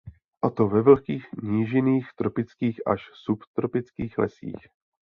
A to ve vlhkých nížinných tropických až subtropických lesích.